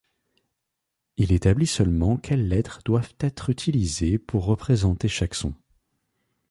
Il établit seulement quelles lettres doivent être utilisées pour représenter chaque son.